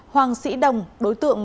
hoàng sĩ đồng đối tượng